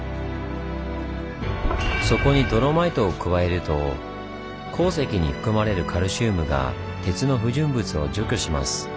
そこにドロマイトを加えると鉱石に含まれるカルシウムが鉄の不純物を除去します。